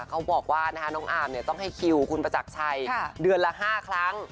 เขาบอกว่าน้องอาร์มต้องให้คิวคุณประจักรชัยเดือนละ๕ครั้ง